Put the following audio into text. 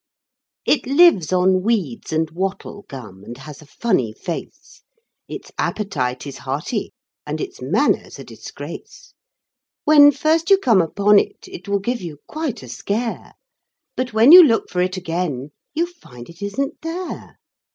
It lives on weeds and wattle gum, and has a funny face; Its appetite is hearty, and its manners a disgrace. When first you come upon it, it will give you quite a scare, But when you look for it again, you find it isn't there.